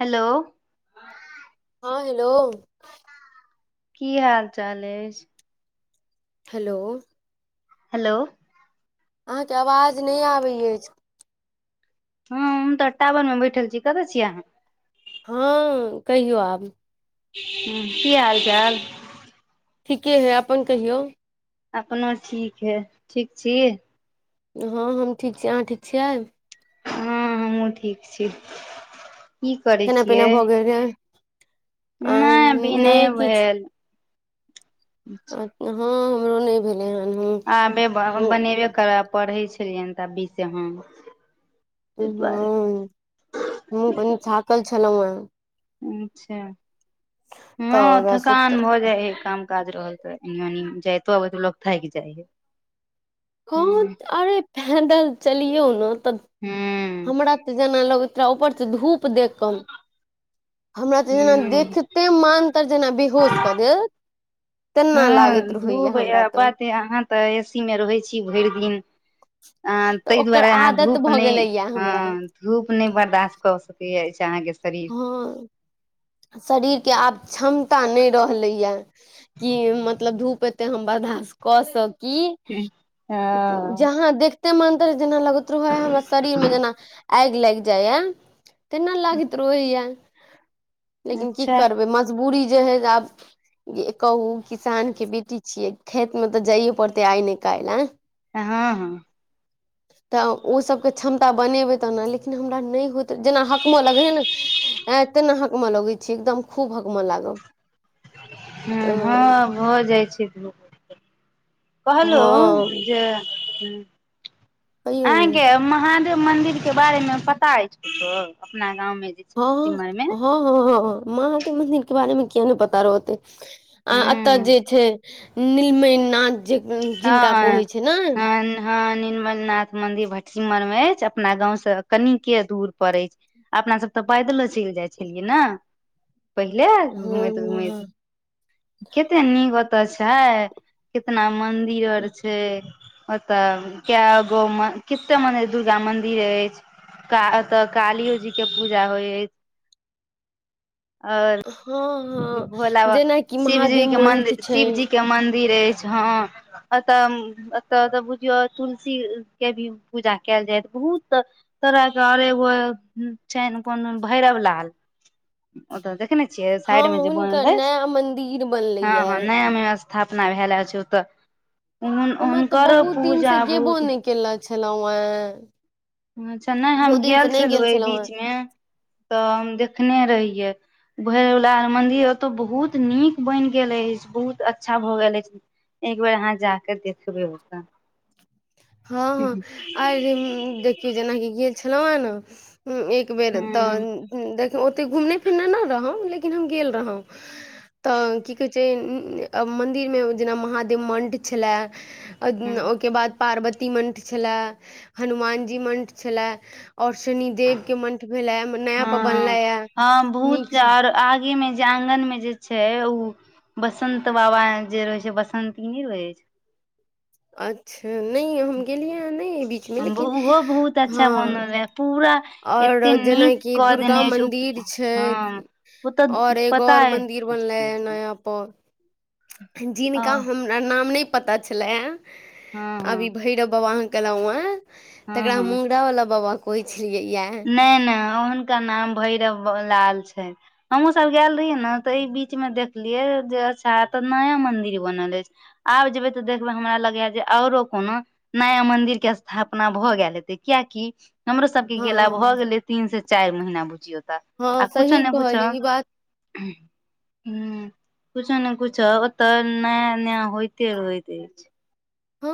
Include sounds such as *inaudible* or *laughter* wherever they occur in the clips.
Hello हँ hello की हाल चाल अछि हेलो हेलो अहाँकेँ आवाज नहि आबैय अछि हँ हम तऽ टावर मे बैठल छी कतय छीयै अहाँ हँ कहियौ आब ह की हाल चाल ठीके है अपन कहियौ अपनो ठीक हइ ठीक छी हँ हम ठीक छी अहाँ ठीक छियैय हँ हमहहुँ ठीक छी की करै खाना छियै *inaudible* आइ नहि अभी नहि किछु भेल हँ हमरो नहि भेल हनँ आबे बनेबे करब पढ़ै छलियनि तऽ अभी से हं हँ ह कनी थाकल छलहुँ ह अच्छा तऽ हँ ओकरा सुत थकान भऽ जाइ है काम काज रहल तऽ एनि एनी जाइतो अबो लोको थाकि जाइ हय कह अरे पैदल चलियौ ने तऽ हँ हमरा जेना लगैत रह ऊपर धूप देख कऽ हमरा हूँ से मान तर जेना बिहोश कऽ देल हँ धूप हमरा यैह तऽ बात अहाँ तऽ ए सी मे रहै छी भरि दिन अ तऽ ताहि ओकर दुआरे अहाँ आदत धूप भऽ नहि गेलैया हमरा हँ धूप नहि बर्दाश्त क सकै अछि अहाँ के शरीर हँ शरीर के आब क्षमता नहि रहलैया कि मतलब धूप ए बरदास्त कऽ सकी ज हँ े मानतर जेना लगतरु ह हमरा शरीर में जेना आगि लाग जाय य तेना लाग लेकिन की अच्छा करबै मजबूरी जे हय आब कहू किसान के बेटी छियै खेत मे तऽ जाइए पड़ते आइ नहि काल्हि आ हँ हँ तऽ ओ सब के क्षमता बनेबे तना लेकिन हमरा नहि होत जेना हकम लगै हे ने ए तेना हकम लगै छी एकदम खूब हकमऽ लागब ह अं हँ हो जाइ छै धूपप कहलो हँ जे ह कहियौ ने अहाँके महादेव मंन्दिर के बारे मे पता अछि किछो अपना गाँवमे जे हँ ब मरमे हँ हँ मह केे मन्दिर के बारे मे कििया ने पता रहते आ एतऽ ह जे छै नीलम ना जे हँ जिनका हँ कहै छै न हँ हँ निर्मल नाथ मंदिर भटसिमर मे अछि अपना गाँंव से कन के दूर पर अछि अपना सब तऽ पैदलो चलि जाइ छलियै ने पहिले हँ घूमैत हँ घूमैत कते नीक ओतऽ छै कितना मंदिर आर छै ओतऽ क गोव मे कते मने दुर्गा मंदिर अछि का तऽ कालियो जी के पूजा होइ हइ और हँ भोला हँ बाबा जेनाकि शिवजी महादेव के मंठ मंदिर छै शिवजी के मंदिर अछि हँ एतऽ एतयऽ बुझियौ तुलसी के भी पूजा कयल जायत बहुत तोरह के आओर एगो छनि कोनो भैरव लाल ओतऽ देखने छियै हँ साइड में जे हुनकर बनल अछि नया मंदिर बनले हँ हँ या नया मे स्थापना भएल अछि ओतऽ हमे तऽ हुनकरो बहुत दिन से पूजा गेबो बहुत नहि कनेे छलहुँ हँ अच्छा नहि हम गेल छलहुँ एहि बीच मे तऽ हम देखने रहियै भरवला मन्दिर ओतय बहुत नीक बनि गेल अछि बहुत अच्छा भऽ गेल अछि एक बेार यहाँ जाक देखबै ओकरा हँ हँ आर देखियौ जेनाकि गेल छलहुँ हे ने एक बेर तऽ हूँ देख ओते घुमने फिरने न रहौ लेक हम गेल रहौ तऽ की कह से मन्दिरमे जेना महादेव मण्ड छलै हँ ओहिके बाद पार्वती मन्त्र छलै हनुमानजी मन्त्र छलै और शनिदेव के मंठ भेले नया पर बनले य नीकसँ आगेमे जे आंगनमे जे छै ओ बसंत बाबा जे रहे छै बसंत ई नहि रहे छै अच्छा नहि हम गेलियै ह नहि बीचमे छै लेकिन ओहो बहुत हँ अच्छा बनल रहे पूरा आओर एते नीक जेनाकि कऽ दुर्गा देने छै मन्दिर छै हँ ओ तऽ और एक पता और अइ मंदिर बनलै नया जिनका हँ हमरा नाम नहि पता छलै हँ आब ई हँ भैरव बाबा अह केलहु ह हँ तकरा हँ मुंगरा वाला बाबा कहै छै *unintelligible* नहि नहि ओहुनका नाम भैरव लाल छै हमहुँ सब गेल रहियै ने तऽ ई बीच मे देखलियै जे अच्छा एतऽ नया मंदिर बनल अछि आब जेबै तऽ देखबै हमरा लगैए जे औरो कोनो नया मंन्दिर के स्थापना भऽ गेल हेते कियकि हमरो सब गेला भऽ हँ गेलै तीन से चारि महीना बुझियौ त हँ आ कुछो सही ने कुछो कहलियै ई बात हम्म कुछो ने कुछो ओतऽ नया नया होते रहइत अछि हँ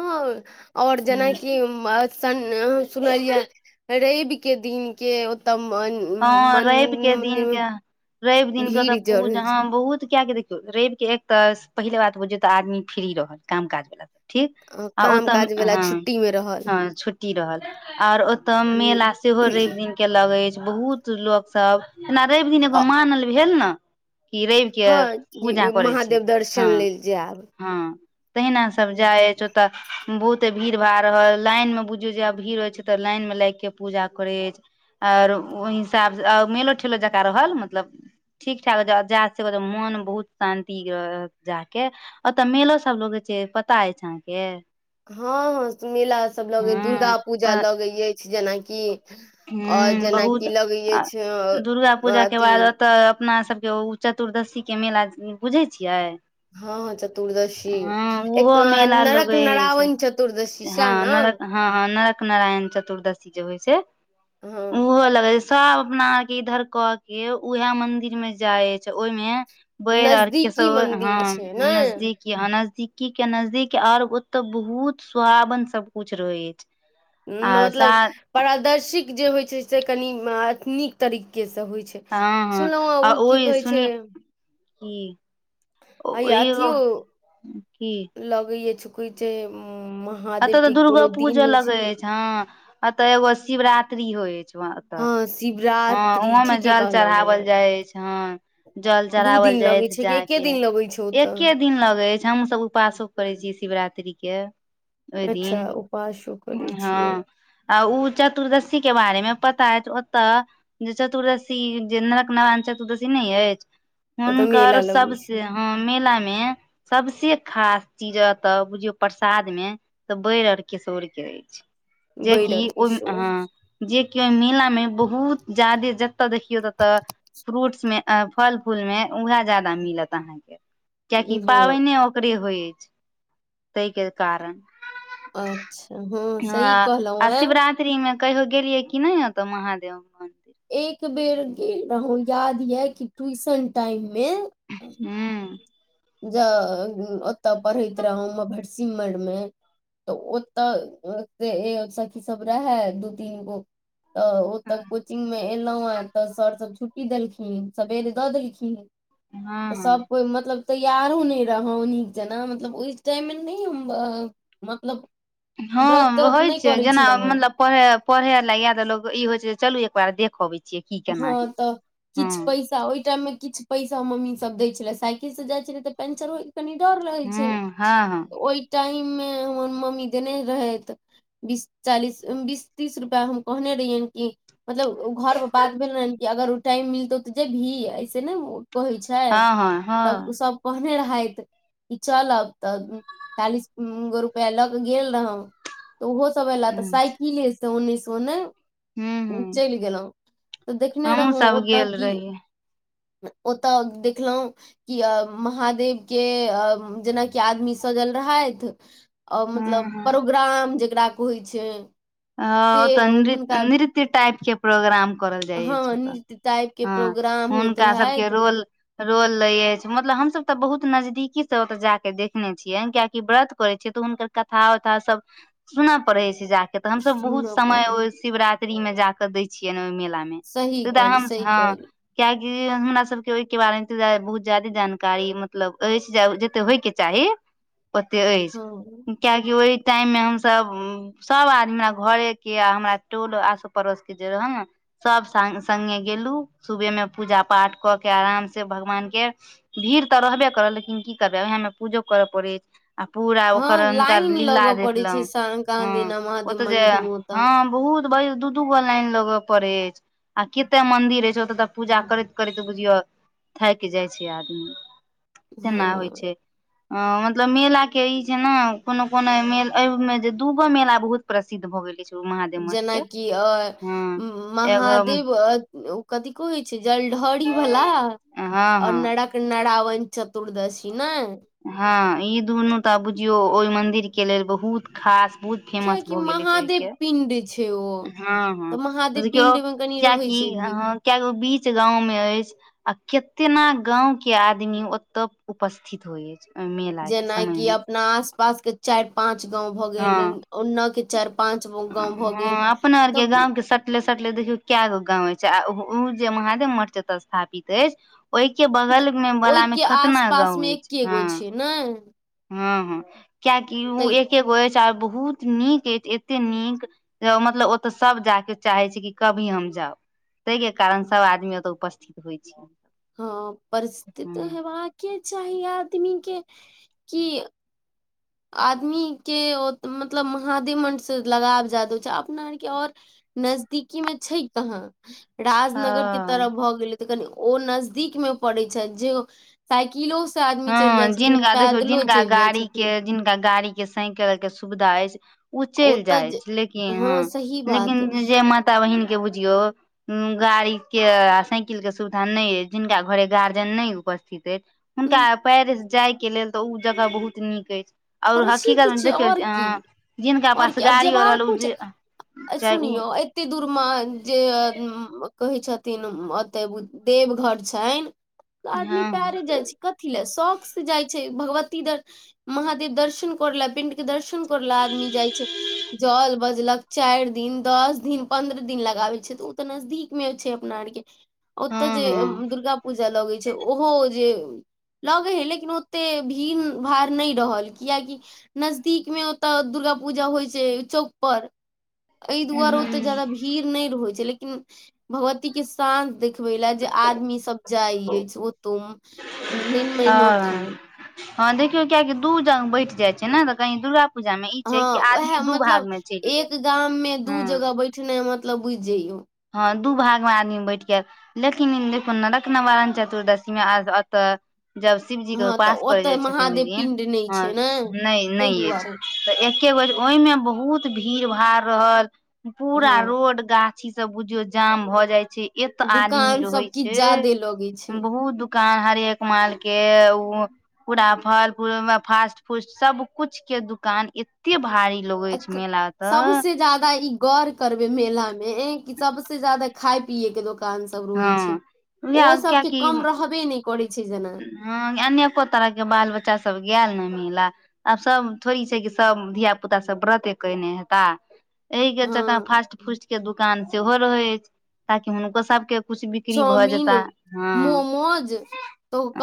आओर ह जेनाकि म अ सन सुनलियै रविक के दिन के ओतऽ मन ह रवि के दिन मंदिर मे के रवि दिन के तऽ भीड़ जड़ पूज होइ ह छै बहुत क के देख रविक के एक तऽ पहिले बात बुझियौ तऽ आदमी फ्री रहल काम काज वला सब ठीक अ, आ ओ काम तऽ काज वाला हँ छुट्टी मे रहल हं छुट्टी रहल और ओतय मेला सेहो रवि दिन *unintelligible* अछि बहुत लोक सब जेना रवि दिन ह एगो मानल भेल ने कि रवि के हँ पूजा जी, करै छै महादेव हँ दर्शन लेल जायब हँ तहिना सभ जाय तऽ बहुते भीड़ भा रहल लाइन मे बुझू जे आब भीड़ होइ छै तऽ लाइन मे लागि के पूजा करै अछि आओर ओहि हिसाबसँ मेलो ठेलो जकाँ रहल मतलब ठीक ठाक *unintelligible* मन बहुत शांति रह जाके ओतय मेलो सब लग छै पता अछि अहाँके हँ हँ मेला सभ लगै दुर्गा हँ पूजा लगै अछि जेनाकि और हू बहुत जेनाकि लगै अछि दुर्गा पूजा के अथी बाद ओतऽ अपना सबके चतुर्दशी के मेला बुझै छियै हँ हँ चतुर्दशी हँ एक ओहो मेला नरक लगै अछि नरावण चतुर्दशी सएह हँ ने नरक हँ नरक नारायण चतुर्दशी जे होइ छै हँ हुअ लगै छै सब अपना आर के इधर कऽ के उएह मंदिर में जाय छै ओहिमे बैर आओर नजदीकी कशोर हँ मन्दिर छै ने नजदीक यहा नजदीकी के नजदीक और ओते बहुत सुोहावन सब कुछ रहे अछि आ मतलब साथ पारदर्शिक जे होइ छै से कनि नीक तरिके से होइ छै हँ हँ सुनलहुँ हेँ आ ओ की ओइ कहै छै सुनि कि हैया अथीयो की लगैछ छुक एतय तऽ दुर्गो पूजा लगे अछि हँ एतय एगो शिवरात्रि होय अछि व हँ शिवरा हँ ओहोमे जल चढ़ाओल जाइ अछि हँ जल दू चरावल दिन लगै जायत छै कि जा एके के दिन लगै छै ओतऽ एके दिन लगै हमसभ उपवासो करे छीयै शिवरात्रि के ओहि अच्छा दिन उपासो करै छियै हँ आ ओ चतुर्दशी के बारे मे पता अछि ओतऽ जे चतुर्दशी जे नरक *unintelligible* चतुर्दशी नहि अछि ओतऽ हुनकर मेला लगै सबसे छै हँ मेलामे सबसे खास चीज अ तऽ बुझियौ प्रसाद मे तऽ बैर आर किशोर के अछि बैर जेकि आर के ओहि शो अ जे केओ ओहि मेला मे बहुत जादे जतय देखियौ ततऽ फ्रूट्स मे फल फूल मे उएह जादा मिलत अहाँके कियाकि हँ पाबनि ओकरे होइ अछि ताहि के कारण अच्छा हँ सही कहलहुँ हैं *unintelligible* मे कहियो गेलियै की नहि ते महादेव कन एक बेर गेल रहौ याद यै कि ट्यूशन टाइम मे हँ ज ओतय पढ़ैत रहौ भटसिमैरमे तऽ ओतऽ सखी सब रहै दू तीन गो तऽ ओ तऽ कोचिंग मे एलहु ह तऽ सर सब छुट्टी देलखिन सवेरे दऽ देलखिन हँ तऽ सब हँ कोइ मतलब तैयारो नहि रहौ नीक जेना मतलब ओहि टाइममे नहि हम मतलब व्रत हँ त्रत होइ नहि छै करै जेना छलहुँ हेँ मतलब पढ़े पढ़े लए या त लोग ई होइ छै चलू एकबार देख अबै छियै की केना है हँ तऽ हँ किछ पैसा ओहि टाइम मे किछ पैसा मम्मी सब दै छले साइकिल से जाइ छले त पेंचर हो कनि डर रहै छै हूँ हँ हँ ओहि टाइम मे हमर मम्मी देने रहैत बीस चालीस बीस तीस रुपआ हम कहने रहियै कि मतलब घरमे बात भेल अगर ओ टाइम मिलतौ तऽ जेबी ऐसे ने कहै छै हँ हँ तब हँ सब कहने रहइत ई चलब तऽ चालिस गो रुपआ लऽ के गेल रहौ तऽ ओहो सब एयला तऽ हूँ साइकिले से ओने से ओने हूँ चलि गेलौं तऽ देखने हमहुँ रहौ सब ओतऽ गेल की रहियै ओतऽ देखलौं कि अ महादेव के अ जेनाकि आदमी सजल रहथि आ हँ मतलब हँ प्रोग्राम जकरा कहइ छै से आ तऽ हुनका नृत-नृत्य टाइप के प्रोग्राम करल जाइ अछि हँ नृत्य टाइप के हँ प्रोग्राम होइत हुनका सबके रहथि रोल रोल ले अछि मतलब हमसभ तऽ बहुत नजदीकी से ओत जाक देखने छियै कियाकि व्रत करे छियै तऽ हुनकर कथा उथा सब सुनऽ पड़ै छै जाक तऽ हमस बहुत सुनऽ समय पड़ै ओ शिवरात्रि मे जाके दय छियै ने ओहि मेला मे सही कहली *unintelligible* सही हँ कहली कआकि हमरा सबके ओहि के बारे मे त बहुत जादे जानकारी मतलब अछि जे जते होय के चाही ओते हँ अछि कियकि ओहि टाइम मे हमसभ सब आदमी हमरा घरे के आ हमरा टोल आसो पड़ोस के जे रहै ने सब स संगे गेलू सुबह मे पूजा पाठ कऽ के आराम से भगवान के भीड़ तऽ रहबे करल लेकिन की करबै उएहमे पूजो करय पड़ैत अछि आ पूरा ओकर हँ हुनकर लाइन लीला लगऽ पड़ै छै देखलहुं साँझ हँ दिना ओ महादेव त जे मंठ मे ओतऽ ह बहुत ब दू दूगो लाइन लगय पड़े अछि आ कते मंदिर होइ छै ओत त पूजा करैत करैत बुझियौ थाकि जाइय छै। आदमी तेना होइ हँ छै अ मतलब मेला के ई छै ने, कोनो-कोनो मेलामे जे दू गो मेला बहुत प्रसिद्ध भ गेले छै। जेनाकि अ एगो महादेव कथी क होइ छै जलढ़री वला हँ हँ कना रावन चतुर्दशी ने हँ ई दुनू त बुझियौ ओहि मंन्दिर के लेल बहुत खास बहुत फेमस कियाकि भऽ गेले छै महादेव ओहिके पिंड छै ओ हँ हँ तऽ महादेव देखियौ पिंड में कनी क्य रहै की छै भीड़ अह कियाकी वो बीच गांव में अछि आ केतना गांव के आदमी ओते उपस्थित धोए जेनाकि अपना आस पास के चारि पाच गाँंव भ गेल हँ ओन्ने के चारि पाच गाँंव भए गेल हँ अपना आरके तब गाँव के सटले सटले देखियौ काय गो गांव छै आ ओ जे महादेव मठ जते स्थापित अछि ओहिके मतलब बगलवला मे कतना गाम अछि, हँ? नहि हँ हँ कियाकि ओ एके गो अछि आ बहुत नीक अछि एते नीक मतलब ओतऽ सभ जायके चाहे छै। कि कभी हम जाउ ताहि के कारण सभ आदमी ओत उपस्थित होइ छै हँ परिस्थित हेबाके चाही आदमी के की आदमीके ओ मतलब महादे म्डसँ लगाव जाय द होै छै अपना आरके आओर नजदीकी में छै कहाँ राजनगर के हँ तरफ भ गेलै त कनि ओ नजदीक मे पड़ैत छै जे साइकिलो से आदमी चलि जाइ हँ छथिन जिनका देखियो पैदलो जिनका चलि जाइ गाड़ी छथिन के जिनका गाड़ी साइकल के सुविधा अछि ओ चलि ओतऽ जाइ जे- छै लेकिन हँ सही लेकिन बात जे म एकटा बहिन के बुझियौ गाड़ी के आ साइकिल के सुविधा नहिय जिनका घरे गार्जियन नहि उपस्थित अय हुनका अइ पेरिस जाय लेल तऽ उ जगह बहुत नीक अछि। ओर प्रसिद्ध हकीकत में छै देखियौ और अ की जिनका और पास की और गाड़ी रहल ओ जेबाको जे छै चाहे ओ सुनियौ एते दूरमे जे कहैत छथिन, ओते देवघर छनि। आदमी हँ हँ पायरे जाइ छै कथी लए शौक से जाइ छै भगवती धर महा दर्शन कर ल पिण्ड के दर्शन कर ले आदमी जाइ छै जल बजलक चारि दिन, दस दिन, पन्द्रह दिन लगाबल छै तऽ ओ तऽ नजदीक अछि। मे छै। अपना आर के ओतय हँ जे हँ दुर्गा पूजा लगै छै। ओहो जे लगे हय लेकिन ओते भीड़ भार ने रहल कियाकि नजदीक मे ओतय दुर्गा पूजा होइ छै चौक पर एहि दुआरे हूँ ओतेक हूँ जादा भीड़ नहि रहै छै लेकिन भगवतीक साँझ देखबाक लेल जे आदमी सभ जाइ अछि, ओतो। ह हँ देखियौ कियकि दू जग बैठ जाइ छै। ने तऽ कही दुर्ग हँ उएह मतलब गेल एक गाम मे हँ दू जगह बैठना मतलब बुझि जइयौ हँ दू भाग मे आदमी मे बैठके लिखिन देख, रकनवण चतुर्दशी आज अछि। जब शिवजीे के हँ तऽ उपास करय ओतऽ जाइ छथिन ओहि महादेव दिन पिंड नहि ह छै ने ने ताहि दुआरे अछि त एके गो ओहिमे बहुत भीड़ भाड़ रहल पूरा हँ रोड गाछ सभ बुझियो जाम भऽ जाइ छै। एत आदमी दुकान रहै सब किछ छै। ज्यादे लगै छै बहुत दुख कान हरेक मालके ओ पूरा फल पू फास्ट फूड सबकिछु के दुकान एते भारी लगै छै मेला तऽ जादा ई गौर करबे मेला में ए कि सबसे जादा खाय पिये के दोकान से सभ रोय छै। हँ उएह ओ सबके कम रहबे नहि करै छै। जेना ह अनेको तरहके बाल बच्चा सब ग ने मिला आब सभ थोड़ी छै कि सभ धिय पुता सब व्रते कने हेता एहि के चकका हँ फास्ट फूड के दुकान सेहो रहै अछि ताकि हुनको सबके कुछ बिक्री भऽ चाउमिन जेता हँ मोमोज त